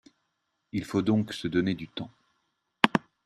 Il faut donc se donner du temps.